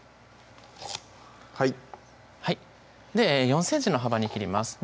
はいはい４ｃｍの幅に切ります